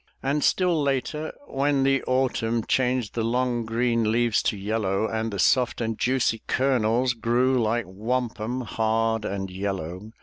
And still later, when the Autumn Changed the long, green leaves to yellow, And the soft and juicy kernels Grew like wampum hard and yellow.